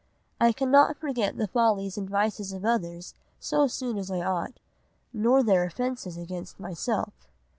I cannot forget the follies and vices of others so soon as I ought, nor their offences against myself.